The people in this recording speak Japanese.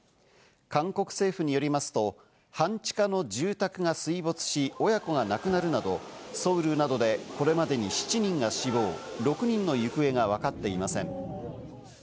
韓国政府によりますと半地下の住宅が水没し、親子が亡くなるなど、ソウルなどでこれまでに７人が死亡、６人の行方がわかっていません。